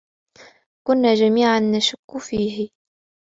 كنا جميعًا نشك فيه.